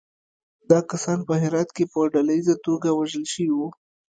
دا کسان په هرات کې په ډلییزه توګه وژل شوي وو.